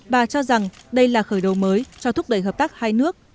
bà cho rằng đây là khởi đầu mới cho thúc đẩy hợp tác hai nước